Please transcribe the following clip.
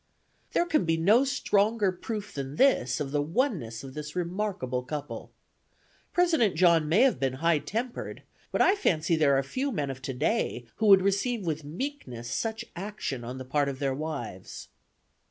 There can be no stronger proof than this of the oneness of this remarkable couple. President John may have been high tempered, but I fancy there are few men of today who would receive with meekness such action on the part of their wives.